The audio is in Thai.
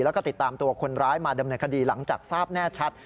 แล้วก็ติดตามตัวคนร้ายมาดำเนินคดีหลังจากทราบแน่ชัด